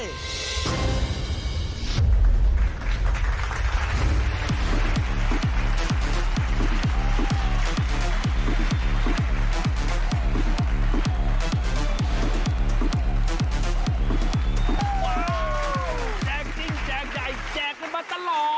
ว้าวแจกจริงแจกใหญ่แจกกันมาตลอด